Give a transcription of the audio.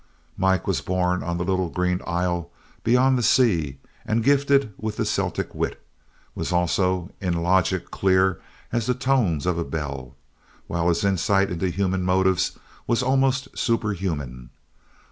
Mike was born on the little green isle beyond the sea, and, gifted with the Celtic wit, was also in logic clear as the tones of a bell, while his insight into human motives was almost superhuman.